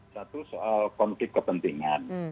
satu soal konflik kepentingan